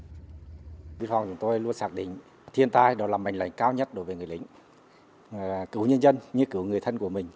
bộ đội biên phòng chúng tôi luôn xác định thiên tai đó là mạnh lãnh cao nhất đối với người lính cứu nhân dân như cứu người thân của mình